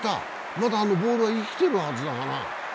まだボールは生きてるはずだがな。